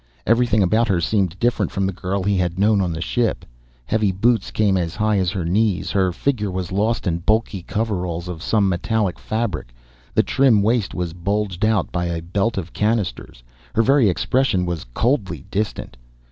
Everything about her seemed different from the girl he had known on the ship. Heavy boots came as high as her knees, her figure was lost in bulky coveralls of some metallic fabric. The trim waist was bulged out by a belt of canisters. Her very expression was coldly distant.